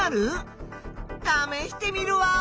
ためしてみるワオ！